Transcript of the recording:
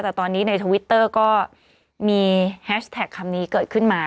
แต่ตอนนี้ในทวิตเตอร์ก็มีแฮชแท็กคำนี้เกิดขึ้นมา